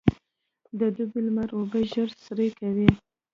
د دوبي لمر اوبه ژر سرې کوي.